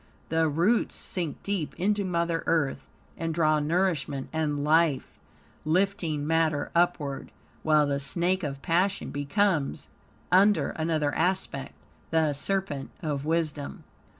The roots sink deep into Mother Earth, and draw nourishment and life, lifting matter upward, while the snake of passion becomes, under another aspect, the serpent of wisdom.